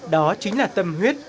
đó chính là tâm huyết